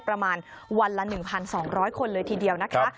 ประมาณวันละ๑๒๐๐คนเลยทีเดียวนะคะ